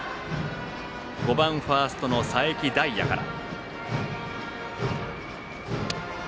５番ファーストの佐伯大優から。